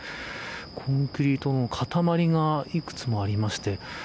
コンクリートの塊がいくつもありまして